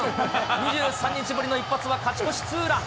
２３日ぶりの一発は勝ち越しツーラン。